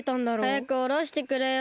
はやくおろしてくれよ。